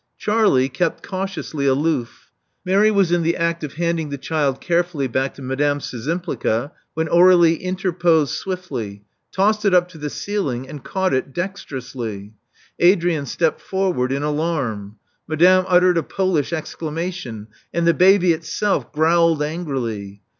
Charlie kept cautiously aloof. Mary was in the act of handing the child carefully back to Madame Szczympli(;a, when Aur^lie interposed swiftly; tossed it up to the ceiling; and caught it dexterously. Adrian stepped forward in alarm; Madame uttered a Polish exclamation; and the baby itself growled angrily.